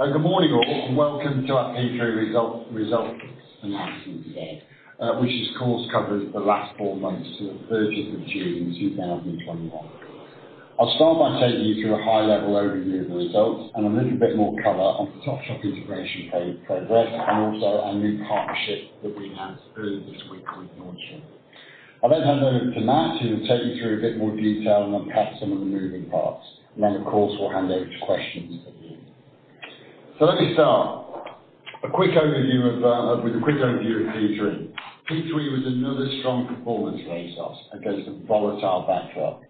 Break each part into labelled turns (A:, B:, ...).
A: Good morning, all. Welcome to our Q3 results announcement today, which of course covers the last four months to June 30th, 2021. I'll start by taking you through a high-level overview of the results and a little bit more color on Topshop integration progress and also our new partnership that we announced earlier this week with Nordstrom. I'll hand over to Mat, who will take you through a bit more detail and unpack some of the moving parts. Of course, we'll hand over to questions at the end. Let me start with a quick overview of Q3. Q3 was another strong performance for ASOS against a volatile backdrop.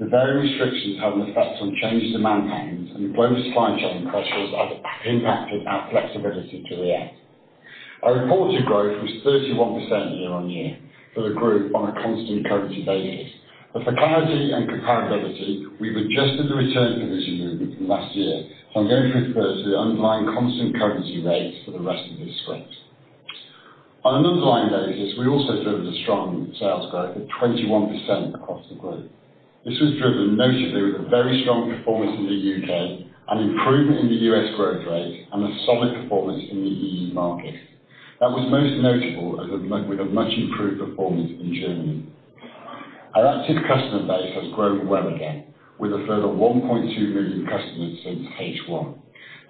A: The variant restrictions had an effect on changed demand patterns and global supply chain pressures have impacted our flexibility to react. Our reported growth was 31% year-on-year for the group on a constant currency basis. For clarity and comparability, we've adjusted the return provision movement from last year. I'm going to refer to the underlying constant currency rates for the rest of this script. On an underlying basis, we also delivered a strong sales growth of 21% across the group. This was driven notably with a very strong performance in the U.K., an improvement in the U.S. growth rate, and a solid performance in the E.U. market. That was most notable with a much improved performance in Germany. Our active customer base has grown well again, with a further 1.2 million customers since H1,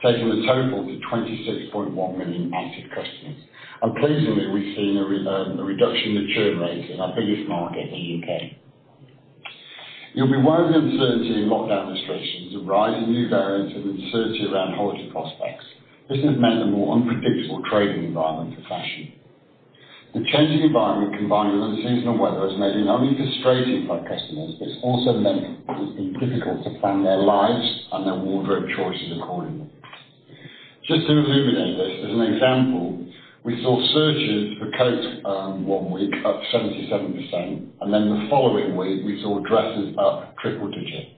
A: taking the total to 26.1 million active customers. Pleasingly, we've seen a reduction in the churn rate in our biggest market, the U.K. You'll be aware of the uncertainty in lockdown restrictions, the rise in new variants, and uncertainty around holiday prospects. This has meant a more unpredictable trading environment for fashion. The changing environment, combined with unseasonal weather, has made it not only frustrating for our customers, but it's also meant it has been difficult to plan their lives and their wardrobe choices accordingly. Just to illuminate this, as an example, we saw searches for coats one week up 77%, and then the following week, we saw dresses up triple digits.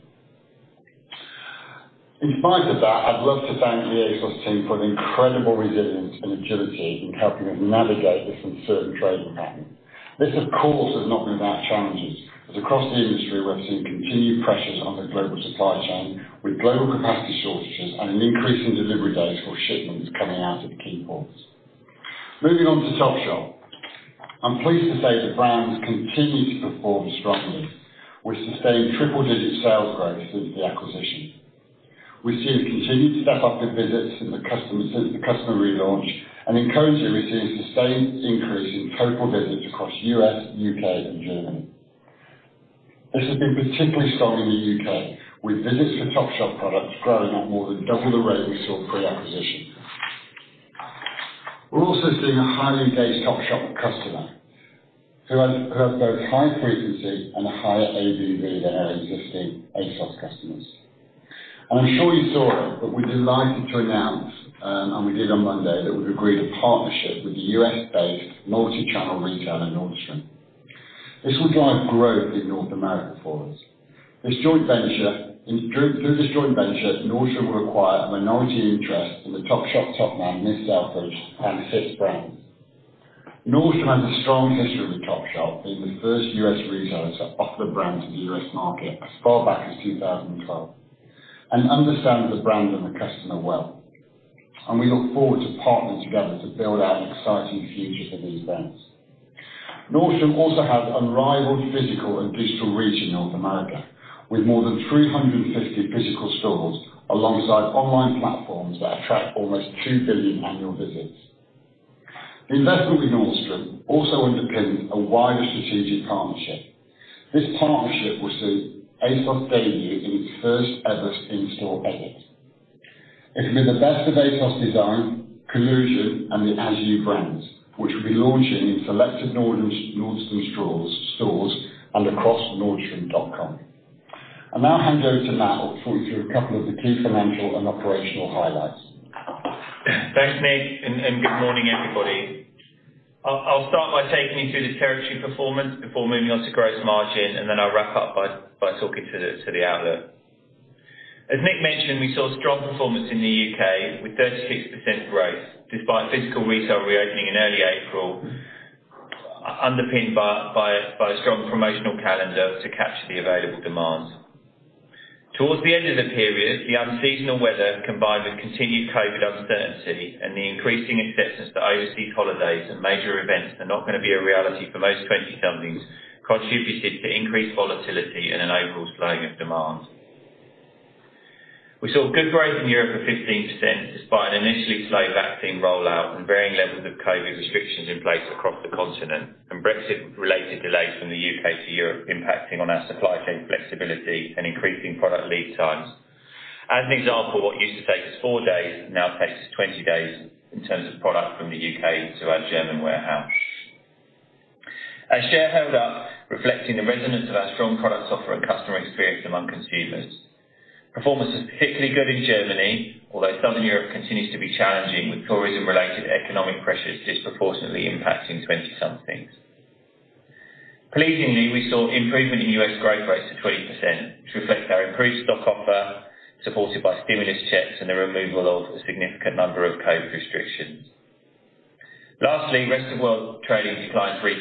A: In spite of that, I'd love to thank the ASOS team for their incredible resilience and agility in helping us navigate this uncertain trading pattern. This, of course, has not been without challenges, as across the industry, we're seeing continued pressures on the global supply chain with global capacity shortages and an increase in delivery days for shipments coming out of the key ports. Moving on to Topshop. I'm pleased to say the brand has continued to perform strongly with sustained triple-digit sales growth since the acquisition. We've seen a continued step-up in visits since the customer relaunch, and in clothing, we're seeing sustained increase in total visits across U.S., U.K., and Germany. This has been particularly strong in the U.K., with visits for Topshop products growing at more than double the rate we saw pre-acquisition. We're also seeing a highly engaged Topshop customer who has both high frequency and a higher ABV than our existing ASOS customers. I'm sure you saw it, but we're delighted to announce, and we did on Monday, that we've agreed a partnership with the U.S.-based multi-channel retailer, Nordstrom. This will drive growth in North America for us. Through this joint venture, Nordstrom will acquire a minority interest in the Topshop, Topman, Miss Selfridge, and HIIT brands. Nordstrom has a strong history with Topshop, being the first U.S. retailer to offer the brand to the U.S. market as far back as 2012, and understands the brand and the customer well. We look forward to partnering together to build out an exciting future for these brands. Nordstrom also has unrivaled physical and digital reach in North America with more than 350 physical stores alongside online platforms that attract almost 2,000,000,000 annual visits. The investment with Nordstrom also underpins a wider strategic partnership. This partnership will see ASOS debut in its first-ever in-store edit. It'll be the best of ASOS DESIGN, COLLUSION, and the ASYOU brands, which will be launching in selected Nordstrom stores and across nordstrom.com. I'll now hand over to Mat, who'll talk you through a couple of the key financial and operational highlights.
B: Thanks, Nick, good morning, everybody. I'll start by taking you through the territory performance before moving on to gross margin, and then I'll wrap up by talking to the outlook. As Nick mentioned, we saw strong performance in the U.K. with 36% growth, despite physical retail reopening in early April, underpinned by a strong promotional calendar to capture the available demand. Towards the end of the period, the unseasonal weather, combined with continued COVID uncertainty and the increasing acceptance that overseas holidays and major events are not going to be a reality for most 20-somethings, contributed to increased volatility and an overall slowing of demand. We saw good growth in Europe of 15%, despite an initially slow vaccine rollout and varying levels of COVID restrictions in place across the continent, and Brexit-related delays from the U.K. to Europe impacting on our supply chain flexibility and increasing product lead times. As an example, what used to take us four days now takes us 20 days in terms of product from the U.K. to our German warehouse. Our share held up, reflecting the resonance of our strong product offer and customer experience among consumers. Performance was particularly good in Germany, although Southern Europe continues to be challenging with tourism-related economic pressures disproportionately impacting 20-somethings. Pleasingly, we saw improvement in U.S. growth rates to 20%, which reflects our improved stock offer, supported by stimulus checks and the removal of a significant number of COVID restrictions. Lastly, rest of world trading declined 3%,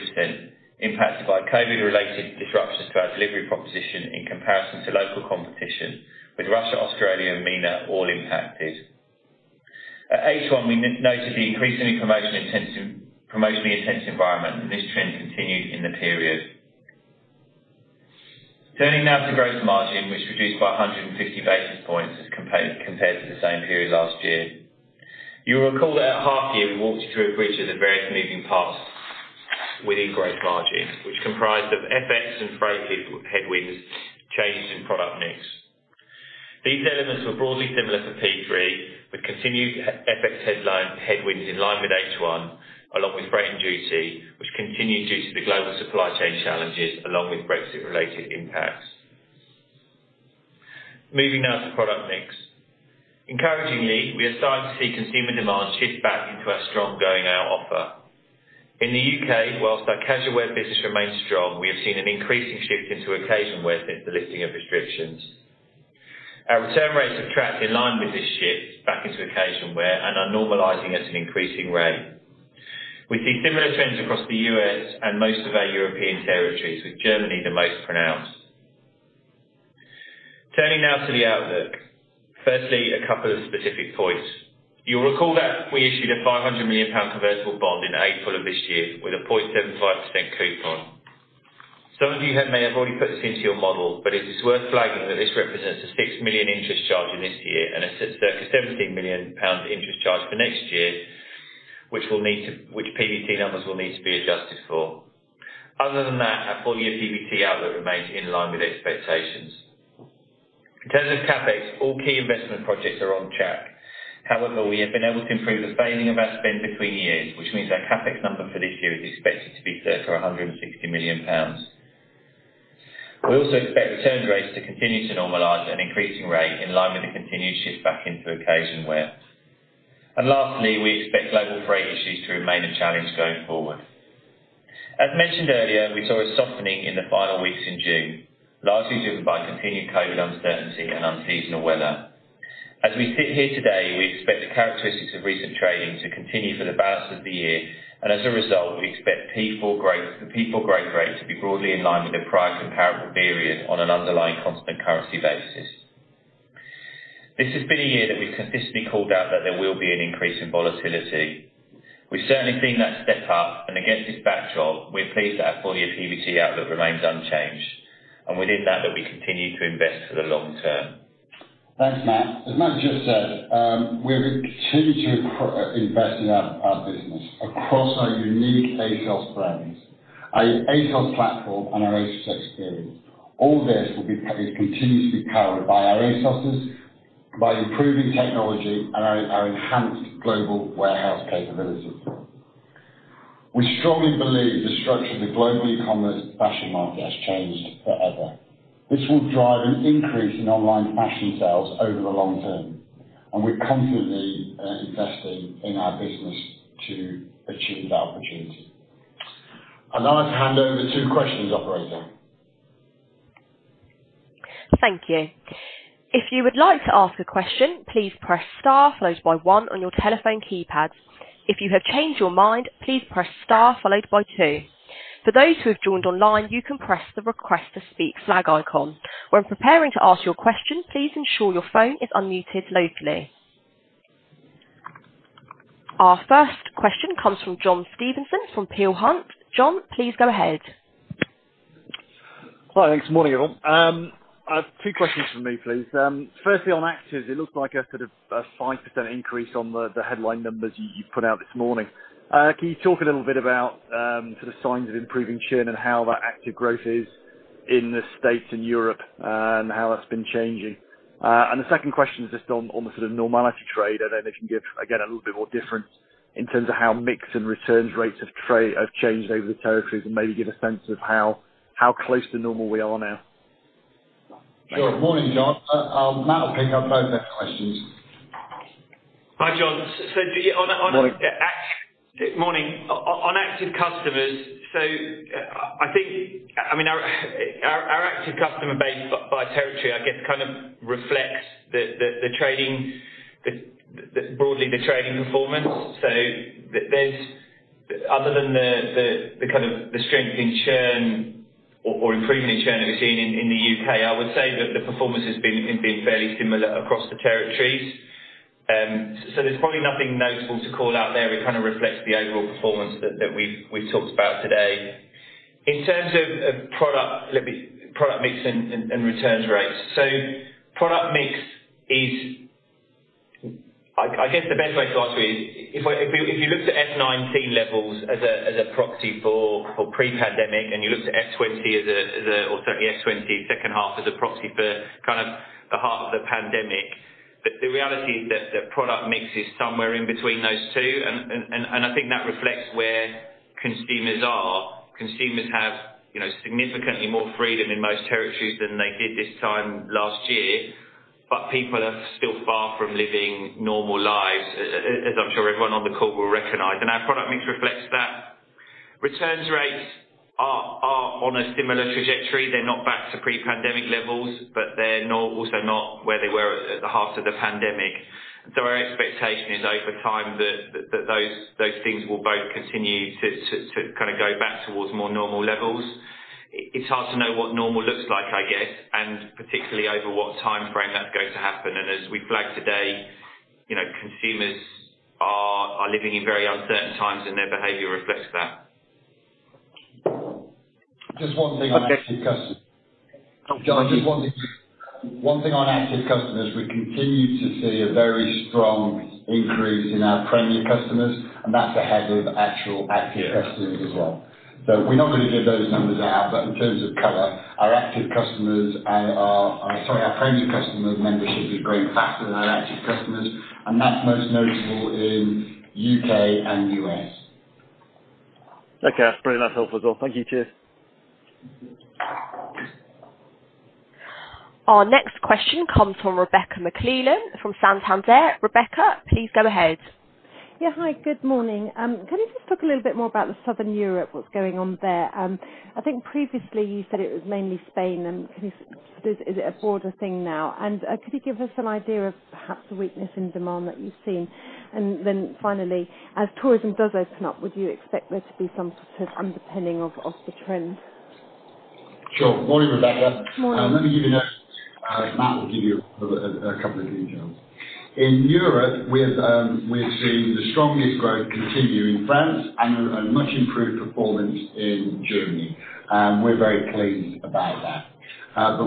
B: impacted by COVID related disruptions to our delivery proposition in comparison to local competition with Russia, Australia, and MENA all impacted. At H1, we noted the increasing promotion-intensive environment, and this trend continued in the period. Turning now to gross margin, which reduced by 150 basis points compared to the same period last year. You will recall at our half year, we walked you through a bridge of the variation in past winning gross margin, which comprised of FX and freight headwinds, changes in product mix. These elements were broadly similar for P3, with continued FX headwinds in line with H1, along with freight and duty, which continue due to the global supply chain challenges along with Brexit related impacts. Moving now to product mix. Encouragingly, we are starting to see consumer demand shift back into our strong going out offer. In the U.K., whilst our casual wear business remains strong, we have seen an increasing shift into occasion wear since the lifting of restrictions. Our return rates have tracked in line with this shift back into occasion wear and are normalizing at an increasing rate. We see similar trends across the U.S. and most of our European territories, with Germany the most pronounced. A couple of specific points. You'll recall that we issued a 500 million pound convertible bond in April of this year with a 0.75% coupon. Some of you may have already put this into your model, but it is worth flagging that this represents a 6 million interest charge in this year and a 17 million pound interest charge for next year, which PBT numbers will need to be adjusted for. Other than that, our full year PBT outlook remains in line with expectations. In terms of CapEx, all key investment projects are on track. We have been able to improve the phasing of our spend between years, which means our CapEx number for this year is expected to be circa 160 million pounds. We also expect returns rates to continue to normalize at an increasing rate in line with the continued shift back into occasion wear. Lastly, we expect global freight issues to remain a challenge going forward. As mentioned earlier, we saw a softening in the final weeks in June, largely driven by continued COVID uncertainty and unseasonal weather. As we sit here today, we expect the characteristics of recent trading to continue for the balance of the year, and as a result, we expect the P4 growth rate to be broadly in line with the prior comparable period on an underlying constant currency basis. This has been a year that we consistently called out that there will be an increase in volatility. We've certainly seen that step up. Against this backdrop, we're pleased that our full year PBT outlook remains unchanged. Within that we continue to invest for the long term.
A: Thanks, Mat. As Mat just said, we have continued to invest in our business across our unique ASOS brands, our ASOS platform, and our ASOS experience. All this is continuously powered by our ASOSers, by improving technology, and our enhanced global warehouse capability. We strongly believe the structure of the global e-commerce fashion market has changed forever. This will drive an increase in online fashion sales over the long term, and we're confidently investing in our business to achieve that opportunity. I'd like to hand over to questions operator.
C: Thank you. If you would like to ask a question, please press star followed by one on your telephone keypad. If you've changed your mind, please press star followed by two. For those who have joined online, you can press the request to speak flag icon. When preparing to ask your question, please ensure your phone is unmuted locally. Our first question comes from John Stevenson from Peel Hunt. John, please go ahead.
D: Hi, thanks. Morning, all. I have two questions for me, please. Firstly, on actives, it looks like a 5% increase on the headline numbers you put out this morning. Can you talk a little bit about signs of improving churn and how that active growth is in the U.S. and Europe and how that's been changing? The second question is just on the normality trade. I don't know if you can give, again, a little bit more difference in terms of how mix and returns rates have changed over the territories and maybe give a sense of how close to normal we are now.
A: Sure. Morning, John. Mat will pick up both those questions.
B: Hi, John. Morning. On active customers, our active customer base by territory, I guess, reflects broadly the trading performance. Other than the strengthening churn or improving churn we've seen in the U.K., I would say that the performance has been fairly similar across the territories. There's probably nothing notable to call out there. It reflects the overall performance that we talked about today. In terms of product mix and returns rates, product mix is, I guess the best way to put it is, if you looked at F2019 levels as a proxy for pre-pandemic, and you looked at F2020, or certainly F2020's second half as a proxy for the heart of the pandemic, the reality is that the product mix is somewhere in between those two, and I think that reflects where consumers are. Consumers have significantly more freedom in most territories than they did this time last year, but people are still far from living normal lives, as I'm sure everyone on the call will recognize. Our product mix reflects. Returns rates are on a similar trajectory. They're not back to pre-pandemic levels, but they're also not where they were at the height of the pandemic. Our expectation is over time that those things will both continue to go back towards more normal levels. It's hard to know what normal looks like, I guess, and particularly over what time frame that's going to happen. As we flag today, consumers are living in very uncertain times, and their behavior reflects that.
A: Just one thing on active customers. One thing on active customers, we continue to see a very strong increase in our premium customers, and that's ahead of actual active customers as well. We don't really give those numbers out, but in terms of color, our premium customer membership is growing faster than our active customers, and that's most notable in U.K. and U.S.
D: Okay, that's pretty helpful. Thank you. Cheers.
C: Our next question comes from Rebecca McClellan from Santander. Rebecca, please go ahead.
E: Hi, good morning. Can you just talk a little bit more about Southern Europe, what's going on there? I think previously you said it was mainly Spain and is it a broader thing now? Could you give us an idea of perhaps the weakness in demand that you've seen? Finally, as tourism does open up, would you expect there to be some underpinning of the trends?
A: Sure. Morning, Rebecca. Let me give you that. Mat will give you a couple of details. In Europe, we're seeing the strongest growth continue in France and a much improved performance in Germany, and we're very pleased about that.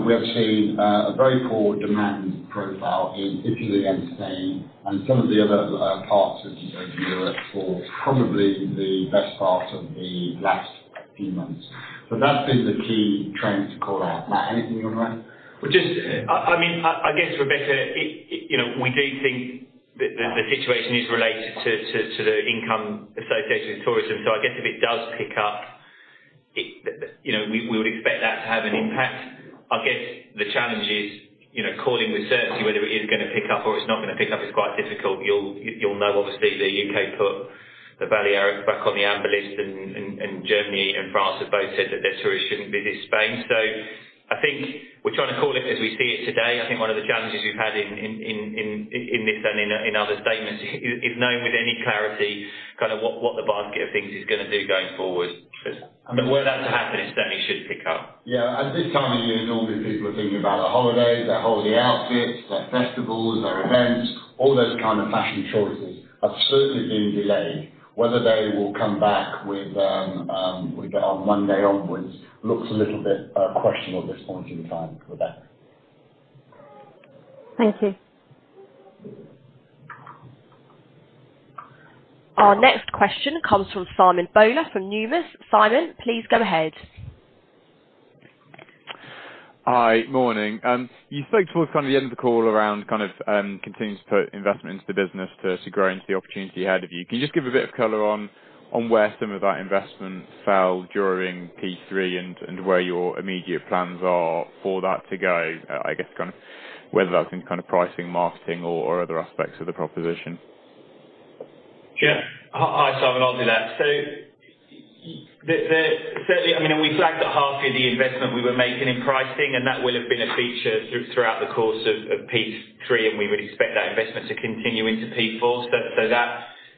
A: We're seeing a very poor demand profile in Italy and Spain and some of the other parts of Europe for probably the best part of the last few months. That's been the key trend to call out. Mat, anything on that?
B: I guess, Rebecca, we do think that the situation is related to the income associated with tourism. I guess if it does pick up, we would expect that to have an impact. I guess the challenge is calling with certainty whether it is going to pick up or it's not going to pick up is quite difficult. You'll know, obviously, the U.K. put the Balearics back on the amber list, and Germany and France have both said that their tourists shouldn't visit Spain. I think we're trying to call it as we see it today. I think one of the challenges we've had in this and in other statements is knowing with any clarity what the market thinks is going to do going forward. But where that happens, then it should pick up.
A: Yeah, at this time of the year, normally people are thinking about their holidays, their holiday outfits, their festivals, their events, all those kinds of fashion choices. Absolutely been delayed. Whether they will come back on Monday onwards looks a little bit questionable at this point in time, Rebecca.
E: Thank you.
C: Our next question comes from Simon Bowler from Numis. Simon, please go ahead.
F: Hi. Morning. You spoke towards the end of the call around continuing to put investment into the business to grow into the opportunity ahead of you. Can you just give a bit of color on where some of that investment fell during Q3 and where your immediate plans are for that to go? I guess, whether that's in pricing, marketing, or other aspects of the proposition.
B: Sure. Hi, Simon. I'll do that. We flagged that half of the investment we were making in pricing, and that would've been a feature throughout the course of Q3, and we would expect that investment to continue into Q4.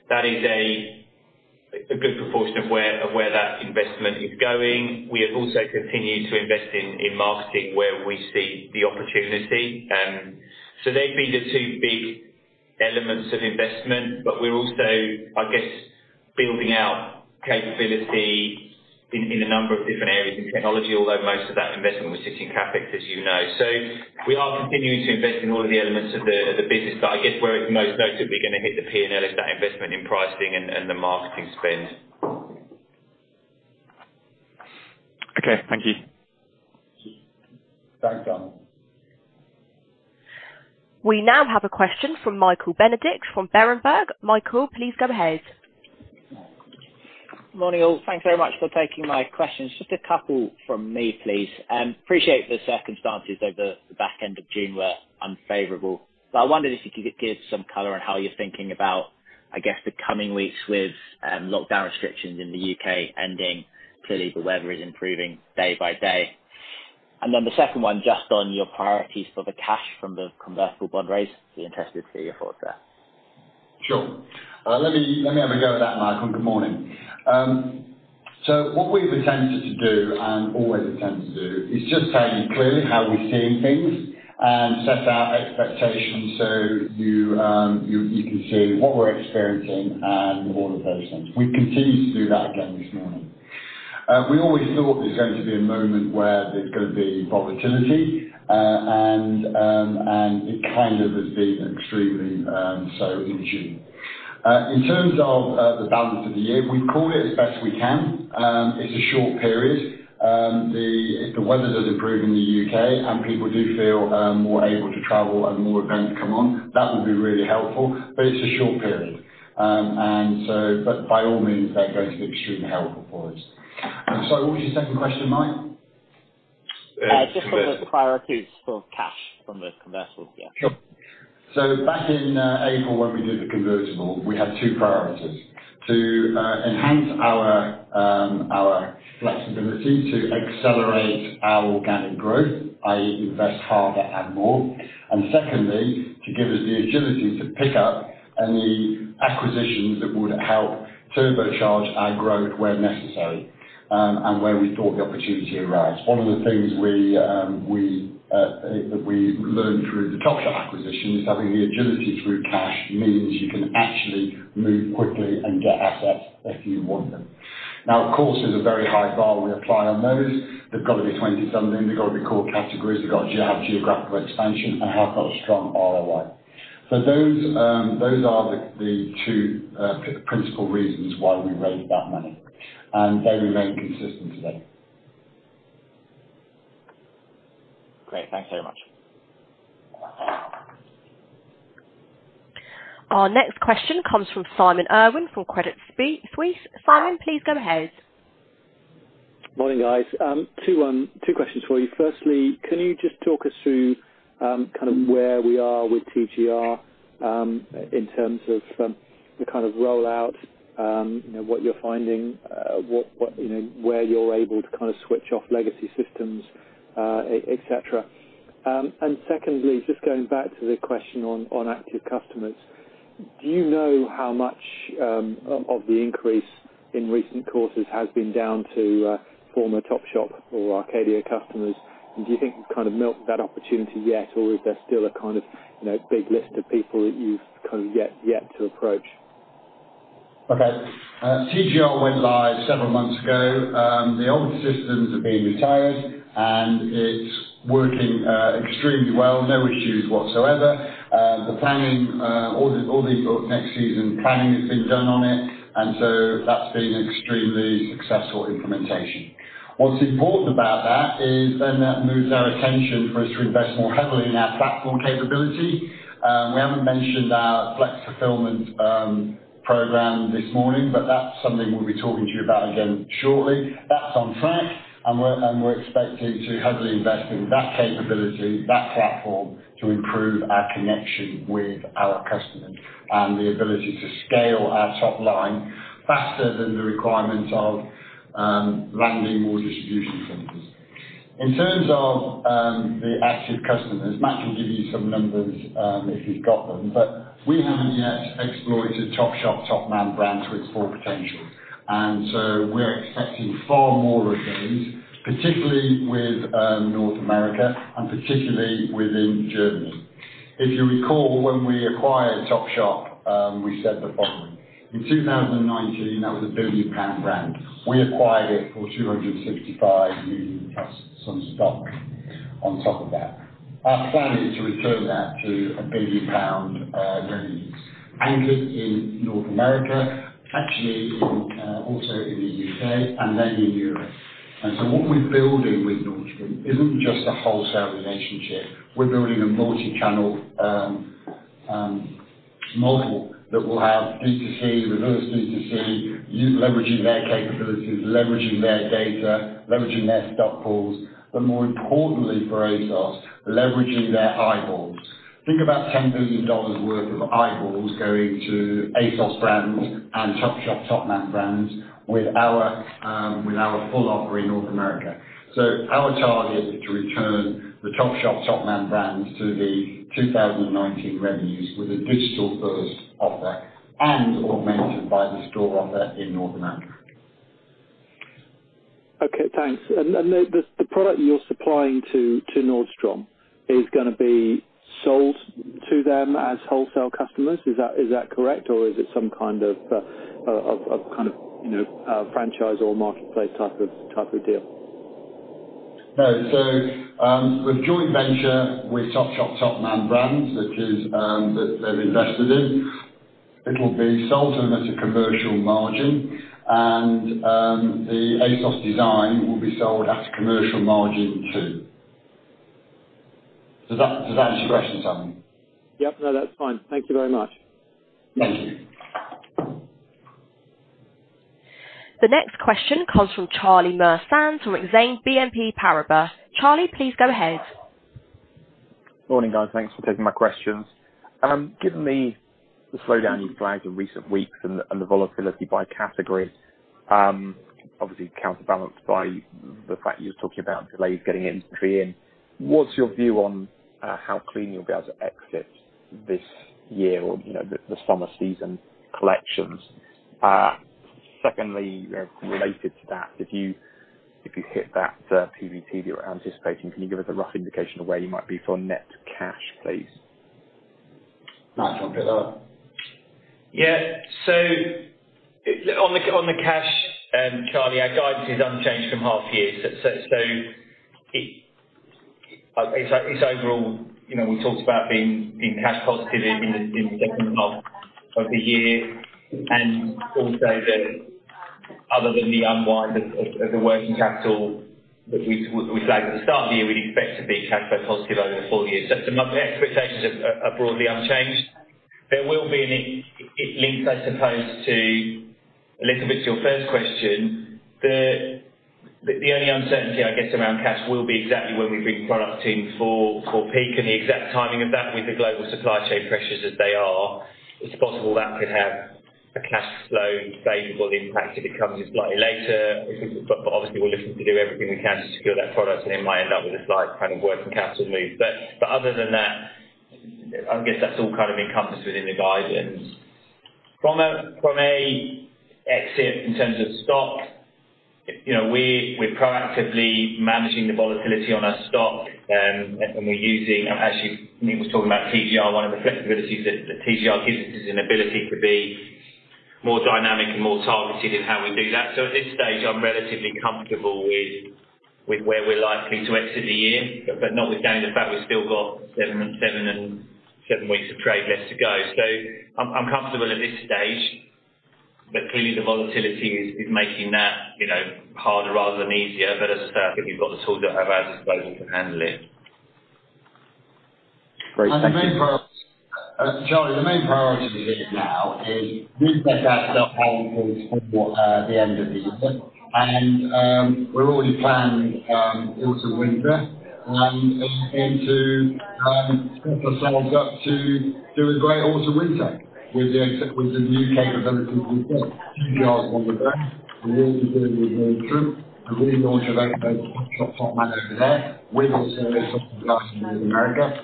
B: That is a good proportion of where that investment is going. We have also continued to invest in marketing where we see the opportunity. They'd be the two big elements of investment, but we're also, I guess, building out capability in a number of different areas in technology, although most of that investment was just in CapEx, as you know. We are continuing to invest in all the elements of the business, but I guess where it's most notably going to hit the P&L is that investment in pricing and the marketing spend.
F: Okay, thank you.
A: Thanks, Simon.
C: We now have a question from Michael Benedict from Berenberg. Michael, please go ahead.
G: Morning, all. Thanks very much for taking my questions. Just a couple from me, please. Appreciate the circumstances over the back end of June were unfavorable, but I wondered if you could give some color on how you're thinking about, I guess, the coming weeks with lockdown restrictions in the U.K. ending. Clearly, the weather is improving day by day. Then the second one, just on your priorities for the cash from the convertible bond raise to be invested for your forecast.
A: Sure. Let me have a go at that, Michael. Good morning. What we've attempted to do and always attempt to do is just be clear how we're seeing things and set our expectations so you can see what we're experiencing and all of those things. We continue to do that again this morning. We always thought there's going to be a moment where there's going to be volatility, and it has been extremely so in June. In terms of the balance of the year, we call it as best we can. It's a short period. If the weather does improve in the U.K. and people do feel more able to travel and more events come on, that would be really helpful, but it's a short period. By all means, that's going to be extremely helpful for us. What's your second question, Mike?
G: Just for the priorities for cash from the convertibles gap.
A: Sure. Back in April when we did the convertible, we had two priorities. To enhance our flexibility to accelerate our organic growth, i.e. invest harder and more, and secondly, to give us the agility to pick up any acquisitions that would help turbocharge our growth where necessary and where we thought the opportunity arose. One of the things that we learned through the Topshop acquisition is having the agility through cash means you can actually move quickly and get assets if you want them. Of course, there's a very high bar we apply on those. They've got to be 20-something, they've got to be core categories, they've got to have geographical expansion, and have got strong ROI. Those are the two principal reasons why we raised that money, and very, very consistent today.
G: Great. Thanks so much.
C: Our next question comes from Simon Irwin from Credit Suisse. Simon, please go ahead.
H: Morning, guys. Two questions for you. Firstly, can you just talk us through where we are with TGR, in terms of the rollout, what you're finding, where you're able to switch off legacy systems, et cetera. Secondly, just going back to the question on active customers, do you know how much of the increase in recent quarters has been down to former Topshop or Arcadia customers? Do you think you've milked that opportunity yet, or is there still a big list of people that you've yet to approach?
A: Okay. TGR went live several months ago. The old systems have been retired, and it's working extremely well, no issues whatsoever. All these next season planning has been done on it, and so that's been extremely successful implementation. What's important about that is then that moves our attention for us to invest more heavily in our platform capability. We haven't mentioned our Flex Fulfillment Program this morning, but that's something we'll be talking to you about again shortly. That's on track, and we're expecting to heavily invest in that capability, that platform, to improve our connection with our customers and the ability to scale our top line faster than the requirements of landing more distribution centers. In terms of the active customers, Mat will give you some numbers, if he's got them, but we haven't yet exploited Topshop Topman brands to its full potential. We're expecting far more of those, particularly with North America and particularly within Germany. If you recall, when we acquired Topshop, we said the following. In 2019, that was a 1 billion pound brand. We acquired it for 265+ million some stock on top of that. Our plan is to return that to a 1 billion pound revenues, anchored in North America, actually also in the U.K., and then in Europe. What we're building with Nordstrom isn't just a wholesale relationship. We're building a multi-channel model that will have B2C with us B2C, leveraging their capabilities, leveraging their data, leveraging their stock pools, but more importantly for ASOS, leveraging their eyeballs. Think about $10 billion worth of eyeballs going to ASOS brands and Topshop Topman brands with our full offer in North America. Our target is to return the Topshop Topman brands to the 2019 revenues with a digital-first offer and augmented by the store offer in North America.
H: Okay, thanks. The product you're supplying to Nordstrom is going to be sold to them as wholesale customers. Is that correct? Is it some kind of franchise or marketplace type of deal?
A: No. The joint venture with Topshop Topman brands that they've invested in, it will be sold to them at a commercial margin, and the ASOS DESIGN will be sold at a commercial margin too. Does that address your Simon?
H: Yep. No, that's fine. Thank you very much.
A: Thank you.
C: The next question comes from Charlie Muir-Sands with Exane BNP Paribas. Charlie, please go ahead.
I: Morning, guys. Thanks for taking my questions. Given the slowdown you flagged in recent weeks and the volatility by category, obviously counterbalanced by the fact you're talking about delays getting inventory in, what's your view on how clean you'll be able to exit this year or the summer season collections? Secondly, related to that, if you hit that PBT that you're anticipating, can you give us a rough indication of where you might be for net cash, please?
A: Mat, do you want to take that?
B: Yeah. Obviously on the cash, Charlie, our guidance is unchanged from half year. It's overall, we talked about being cash positive in the second half of the year, and also that other than the unwind of the working capital that we flagged at the start of the year, we expect to be cash flow positive over the full year. The expectations are broadly unchanged. There will be links, I suppose, to a little bit of your first question, that the only uncertainty I guess around cash will be exactly where we bring product in for peak and the exact timing of that with the global supply chain pressures as they are. It's possible that could have a cash flow favorable impact if it comes in slightly later. Obviously we're looking to do everything we can to secure that product and it might end up with a slight working capital move. Other than that, I guess that's all kind of encompassed within the guidance. From an exit in terms of stock, we're proactively managing the volatility on our stock. Actually, Nick was talking about TGR, one of the flexibilities that TGR gives us is an ability to be more dynamic and more targeted in how we do that. At this stage, I'm relatively comfortable with where we're likely to exit the year. Notwithstanding the fact we've still got seven weeks of trade left to go. I'm comfortable at this stage, but clearly the volatility is making that harder rather than easier. As I said, I think we've got the tools at our disposal to handle it.
I: Great. Thank you.
A: Charlie, the main priority is now is we've got to have stock in place for the end of the year. We're already planning autumn, winter, and into spring for ourselves up to do a great autumn, winter with the U.K. collections we've got. TGR is one of them. We will be doing it with Nordstrom, and we launched a Topman over there. We've also got something planned in the U.S.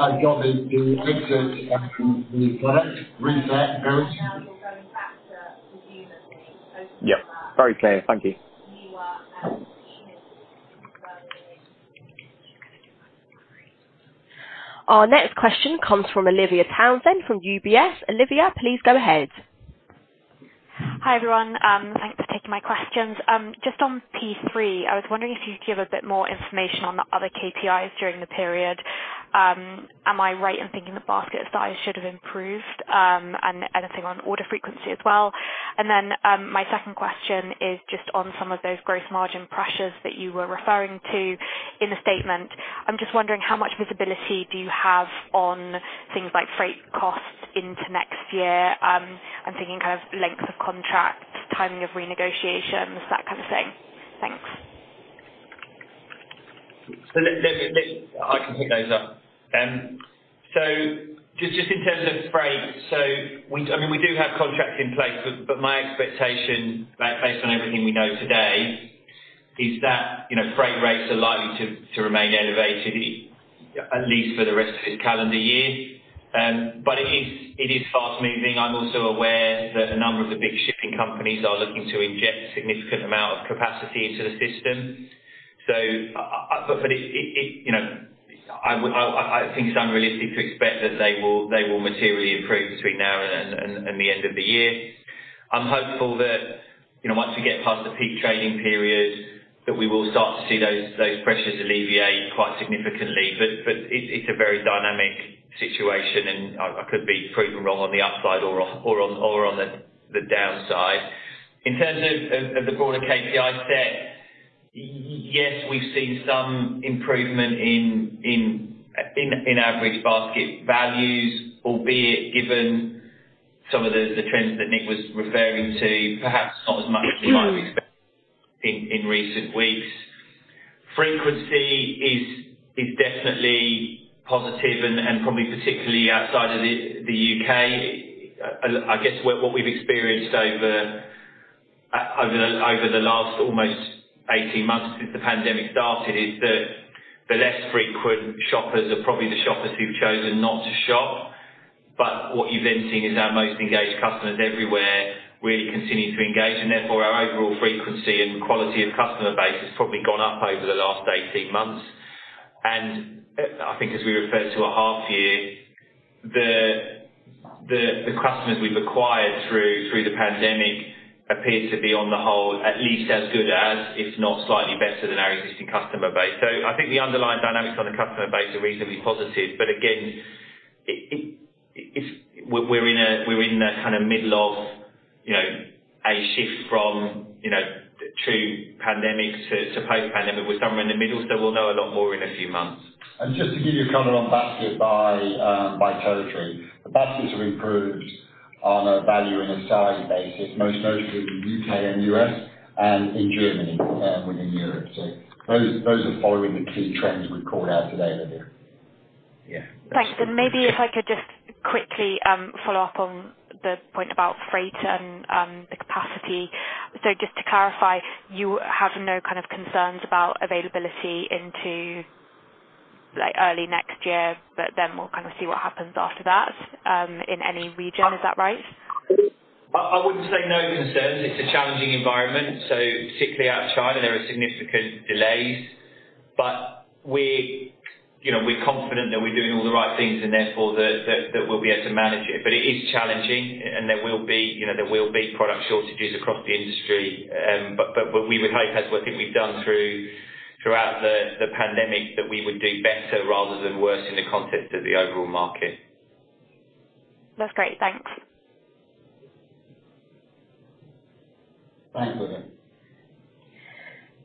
A: Our job is to exit with product, reset, build.
I: Very clear. Thank you.
C: Our next question comes from Olivia Townsend from UBS. Olivia, please go ahead.
J: Hi, everyone. Thanks for taking my questions. Just on P3, I was wondering if you could give a bit more information on the other KPIs during the period. Am I right in thinking the basket size should have improved? Anything on order frequency as well. My second question is just on some of those gross margin pressures that you were referring to in the statement. I'm just wondering how much visibility do you have on things like freight costs into next year? I'm thinking of lengths of contracts, timing of renegotiations, that kind of thing. Thanks.
B: I can pick those up. Just in terms of freight, we do have contracts in place, but my expectation based on everything we know today is that freight rates are likely to remain elevated at least for the rest of the calendar year. It is fast moving. I'm also aware that a number of the big shipping companies are looking to inject significant amount of capacity into the system. I think it's unrealistic to expect that they will materially improve between now and the end of the year. I'm hopeful that, once we get past the peak trading period, that we will start to see those pressures alleviate quite significantly. It's a very dynamic situation and I could be proven wrong on the upside or on the downside. In terms of the broader KPI set, yes, we've seen some improvement in average basket values, albeit given some of the trends that Nick was referring to, perhaps not as much as we might expect in recent weeks. Frequency is definitely positive and probably particularly outside of the U.K. I guess what we've experienced over the last almost 18 months since the pandemic started is that the less frequent shoppers are probably the shoppers who've chosen not to shop. What you've then seen is our most engaged customers everywhere really continue to engage, and therefore our overall frequency and quality of customer base has probably gone up over the last 18 months. I think as we referred to at half year, the customers we've acquired through the pandemic appear to be on the whole at least as good as if not slightly better than our existing customer base. I think the underlying dynamics on the customer base are reasonably positive, but again, we're in the kind of middle of a shift from pandemic to post-pandemic. We're somewhere in the middle, so we'll know a lot more in a few months.
A: Just to give you a color on basket by territory, the baskets have improved on a value and a size basis, most notably in the U.K. and U.S. and in Germany within Europe. Those are following the key trends we called out today, Olivia.
J: Great. Maybe if I could just quickly follow up on the point about freight and the capacity. Just to clarify, you have no concerns about availability into early next year, but then we'll see what happens after that in any region. Is that right?
B: I wouldn't say no concerns. It's a challenging environment, so particularly out of China, there are significant delays, but we're confident that we're doing all the right things and therefore that we'll be able to manage it. It is challenging and there will be product shortages across the industry. We would hope that what we've done throughout the pandemic, that we would do better rather than worse in the context of the overall market.
J: That's great. Thanks.
B: Thank you.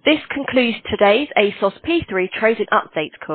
C: This concludes today's ASOS P3 Trading Update call.